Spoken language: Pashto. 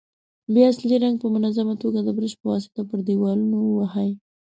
بیا اصلي رنګ په منظمه توګه د برش په واسطه پر دېوالونو ووهئ.